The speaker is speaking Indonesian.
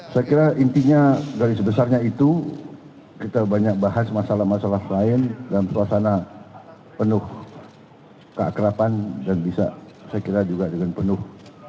saya kira intinya dari sebesarnya itu kita banyak bahas masalah masalah lain dalam suasana penuh keakrapan dan bisa saya kira juga dengan penuh